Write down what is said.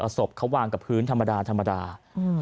ศพเขาวางกับพื้นธรรมดาธรรมดาอืม